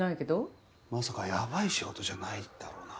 まさかやばい仕事じゃないだろうな？